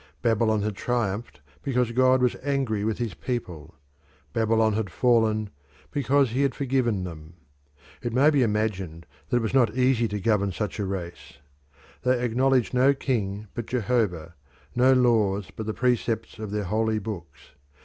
Babylon had triumphed because God was angry with his people; Babylon had fallen because he had forgiven them. It may be imagined that it was not easy to govern such a race. They acknowledged no king but Jehovah, no laws but the precepts of their holy books.